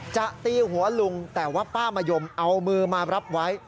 จะตีหัวลุงแต่ว่าป้ามะยมเอามือมารับไว้